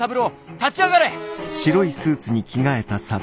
立ち上がれ！」。